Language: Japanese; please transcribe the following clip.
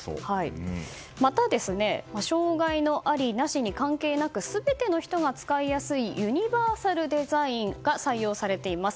また、障害のありなしに関係なく全ての人が使いやすいユニバーサルデザインが採用されています。